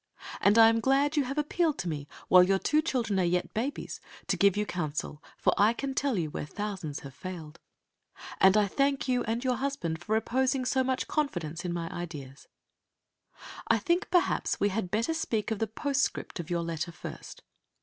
And I am glad you have appealed to me while your two children are yet babies to give you counsel, for I can tell you where thousands have failed. And I thank you and your husband for reposing so much confidence in my ideas. I think, perhaps, we had better speak of the postscript of your letter first.